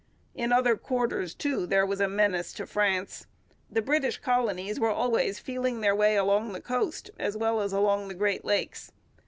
In other quarters, too, there was a menace to France. The British colonies were always feeling their way along the coast as well as along the Great Lakes.